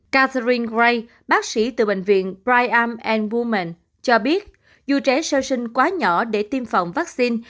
catherine gray bác sĩ từ bệnh viện brian and women cho biết dù trẻ sơ sinh quá nhỏ để tiêm phòng vaccine